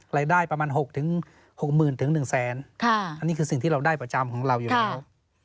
รายได้ประมาณ๖๖๐๐๐๑แสนอันนี้คือสิ่งที่เราได้ประจำของเราอยู่แล้ว